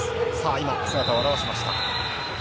今、姿を現しました。